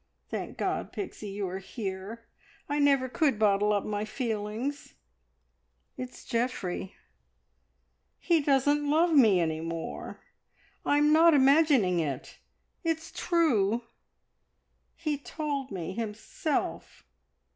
Thank God, Pixie, you are here! I never could bottle up my feelings. It's Geoffrey he doesn't love me any more. I'm not imagining it it's true! He told me himself."